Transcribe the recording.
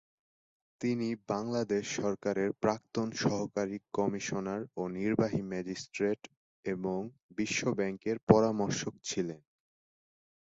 তিনি বাংলাদেশ সরকারের প্রাক্তন সহকারী কমিশনার ও নির্বাহী ম্যাজিস্ট্রেট এবং বিশ্ব ব্যাংকের পরামর্শক ছিলেন।